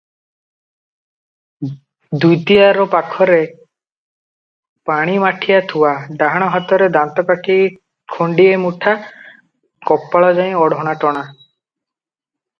ଦ୍ୱିତୀୟାର ପାଖରେ ପାଣି ମାଠିଆ ଥୁଆ, ଡାହାଣ ହାତରେ ଦାନ୍ତକାଠି ଖଣ୍ତିଏ ମୁଠା, କପାଳ ଯାଏ ଓଢ଼ଣାଟଣା ।